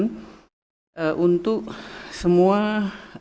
dan kegiatan pengendalian polusi udara ini